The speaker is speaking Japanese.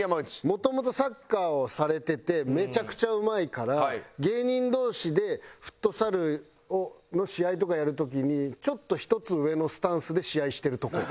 もともとサッカーをされててめちゃくちゃうまいから芸人同士でフットサルの試合とかやる時にちょっと１つ上のスタンスで試合してるとこ。